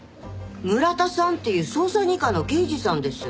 村田さんっていう捜査二課の刑事さんです。